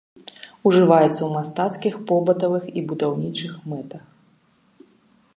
Ужываецца ў мастацкіх, побытавых і будаўнічых мэтах.